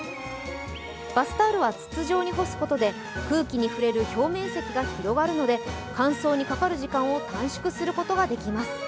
バスタオルは筒状に干すことで空気に触れる表面積が広がるので乾燥にかかる時間を短縮することができます。